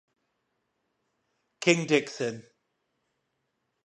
King Dickson.